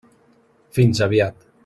Fins aviat.